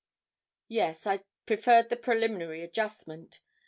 Yes; I preferred the preliminary adjustment.